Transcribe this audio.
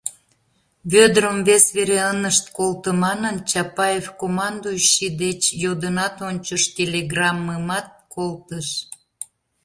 Вӧдырым вес вере ынышт колто манын, Чапаев командующий деч йодынат ончыш, телеграммымат колтыш.